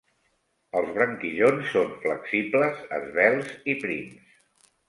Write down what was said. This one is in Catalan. Els branquillons són flexibles, esvelts i prims.